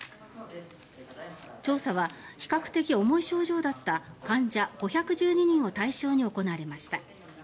調査は比較的重い症状だった患者５１２人を対象に行われました。